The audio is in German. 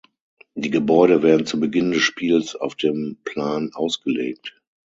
Die Gebäude werden zu Beginn des Spiels auf dem Plan ausgelegt.